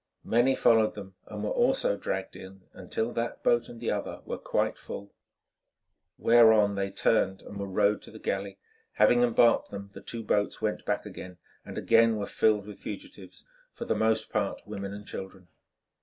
Many followed them and were also dragged in, until that boat and the other were quite full, whereon they turned and were rowed to the galley. Having embarked them, the two boats went back and again were filled with fugitives, for the most part women and children.